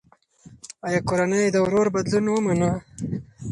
ایا کورنۍ یې د ورور بدلون ومنه؟